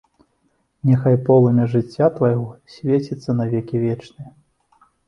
Няхай полымя жыцця твайго свеціцца на векі вечныя!